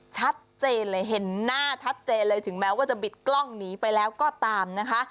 ชัดเจนเลยเห็นหน้าชัดเจนเลยถึงแม้ว่าจะบิดกล้องหนีไปแล้วก็ตามนะคะ